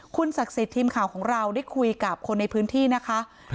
คุณศักดิ์สิทธิ์ทีมข่าวของเราได้คุยกับคนในพื้นที่นะคะ